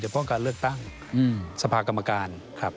เฉพาะการเลือกตั้งสภากรรมการ